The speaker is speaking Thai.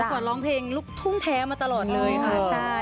ก่อนร้องเพลงลูกทุ่งแท้มาตลอดเลยค่ะ